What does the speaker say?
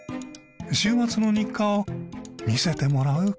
週末の日課を見せてもらう事に。